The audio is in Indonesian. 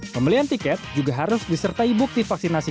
pembelian tiket juga harus disertai bukti vaksinasi